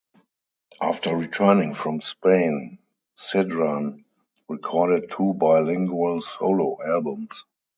After returning from Spain, Sidran recorded two bilingual solo albums.